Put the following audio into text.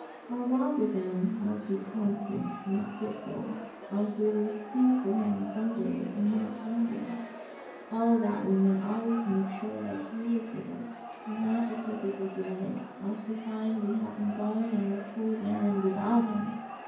Our walk with Him must be constant, not fitfu), else we will seek for Him some day and not find Him. Oh, that we may always make sure that He is with us, and not to take it for granted, else we find we have HOW TO PREPARE FOR THE MEETING. 1 tT been going on a fool's errand without Him!